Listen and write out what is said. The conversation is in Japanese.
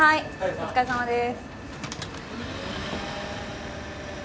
お疲れさまです